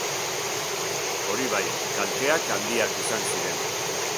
Hori bai, kalteak handiak izan ziren.